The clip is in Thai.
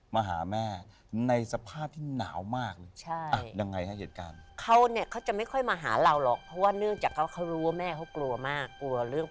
มาหาแม่ในสภาพที่หนาวมากเลย